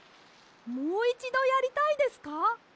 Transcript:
もう１どやりたいですか？